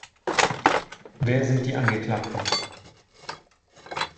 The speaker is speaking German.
Wer sind die Angeklagten?